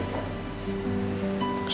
saya mau kesana aja